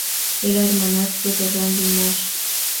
Era hermanastro de Randy Moss.